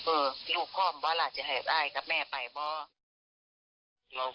เออที่รู้พร้อมว่าล่ะจะให้ได้กับแม่ไปบ้าง